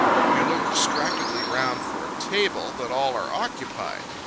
You look distractedly round for a table, but all are occupied.